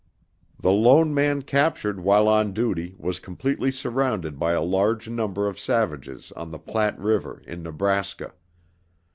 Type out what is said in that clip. The lone man captured while on duty was completely surrounded by a large number of savages on the Platte River in Nebraska.